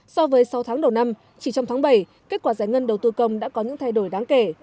so với sáu tháng đầu năm chỉ trong tháng bảy kết quả giải ngân đầu tư công đã có những thay đổi đáng kể